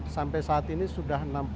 sampai saat ini sudah